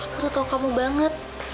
aku tuh tau kamu banget